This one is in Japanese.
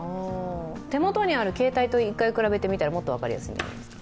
手元にある携帯と１回比べて見たら、もっと分かりやすいんじゃないですか。